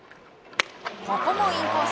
ここもインコース。